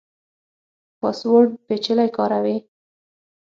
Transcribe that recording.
پاسورډ پیچلی کاروئ؟